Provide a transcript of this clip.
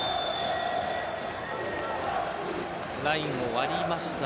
ラインを割りました。